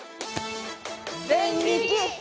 デンリキ！